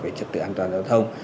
về trật tự an toàn giao thông